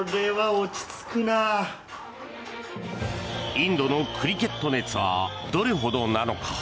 インドのクリケット熱はどれほどなのか。